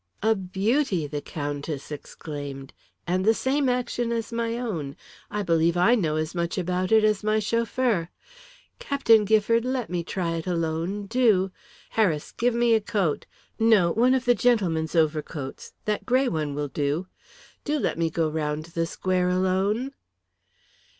"A beauty!" the Countess exclaimed, "And the same action as my own. I believe I know as much about it as my chauffeur. Captain Gifford, let me try it alone, do. Harris, give me a coat. No, one of the gentlemen's overcoats that grey one will do. Do let me go round the square alone!"